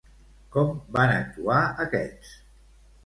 Com van actuar aquests?